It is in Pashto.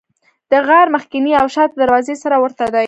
د غار مخکینۍ او شاته دروازه سره ورته دي.